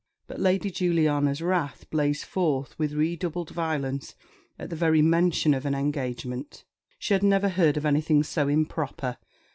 But Lady Juliana's wrath blazed forth with redoubled violence at the very mention of an engagement. She had never heard of anything so improper.